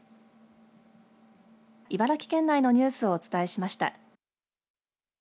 茨城県内のニュースをお伝えしました。